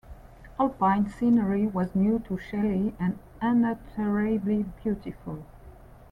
Alpine scenery was new to Shelley and unutterably beautiful.